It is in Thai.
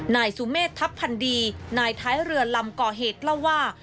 นายสุเมฆทัพพันดีนายท้ายเรือลำก่อเหตุเล่าว่า